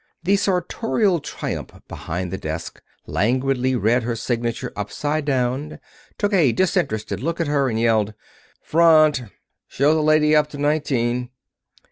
The sartorial triumph behind the desk, languidly read her signature upside down, took a disinterested look at her, and yelled: "Front! Show the lady up to nineteen."